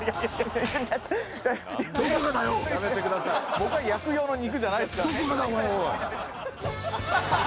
僕は焼く用の肉じゃないですから。